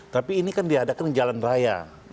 tapi ini kan diadakan di jalan raya